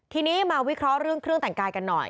ทีนี้มาวิเคราะห์เรื่องเครื่องแต่งกายกันหน่อย